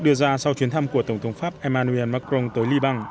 đưa ra sau chuyến thăm của tổng thống pháp emmanuel macron tới liên bang